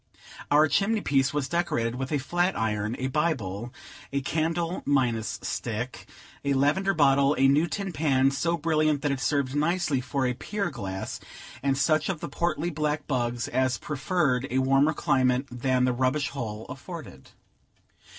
Our chimney piece was decorated with a flat iron, a Bible, a candle minus stick, a lavender bottle, a new tin pan, so brilliant that it served nicely for a pier glass, and such of the portly black bugs as preferred a warmer climate than the rubbish hole afforded.